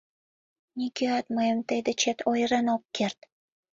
Нигӧат мыйым тый дечет ойырен ок керт.